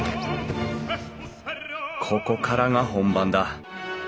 ここからが本番だ。